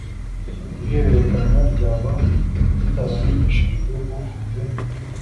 ihererekanya ryaba ritaramenyeshejwe ufite